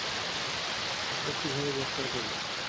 Doctor কীভাবে গ্রেফতার করবে?